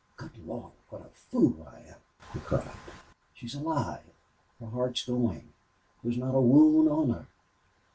"Good Lord, what a fool I am!" he cried. "She's alive! Her heart's going! There's not a wound on her!"